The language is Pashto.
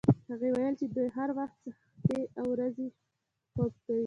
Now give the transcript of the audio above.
هغې ویل چې دی هر وخت څاښتي او د ورځې خوب کوي.